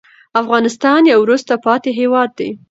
افغانستان يو وروسته پاتې هېواد دې